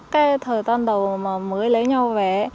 cái thời toàn đầu mà mới lấy nhau về